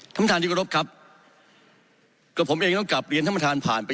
ธรรมฐานที่กระทบครับก็ผมเองต้องกลับเรียนธรรมฐานผ่านไป